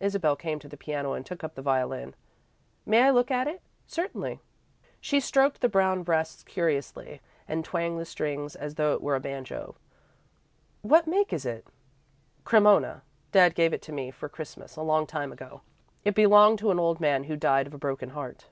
Isabel came to the piano and took up the violin. "May I look at it?" "Certainly." She stroked the brown breasts curiously and twanged the strings as though it were a banjo. "What make is it?" "Cremona. Dad gave it to me for Christmas, a long time ago. It belonged to an old man who died of a broken heart."